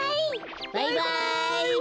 バイバイ！